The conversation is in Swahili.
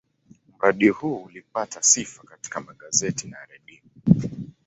Mradi huu ulipata sifa katika magazeti na redio.